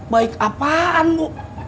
baik apaan bu